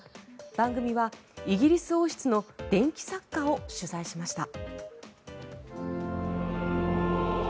番組はイギリス王室の伝記作家を取材しました。